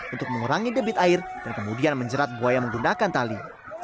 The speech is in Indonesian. untuk mengurangi debit air dan kemudian menjerat buaya menggunakan tali